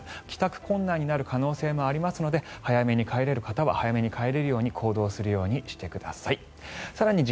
帰宅困難になる可能性もありますので早めに帰れる方は早めに帰れるように行動するようにしてください。